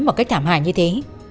một cách thảm hại như thế